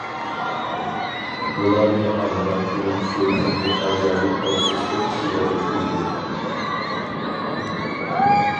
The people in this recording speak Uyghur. بۇلارنى ئاڭلىغان كۈنۈم شۇ كۈننى ئاجايىپ ئەپسۇسلۇق ئىچىدە ئۆتكۈزدۈم.